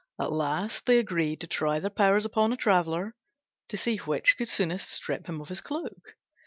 At last they agreed to try their powers upon a traveller, to see which could soonest strip him of his cloak.